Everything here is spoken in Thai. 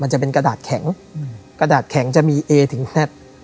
จะเป็นกระดาษแข็งกระดาษแข็งจะมีเอถึงแฮด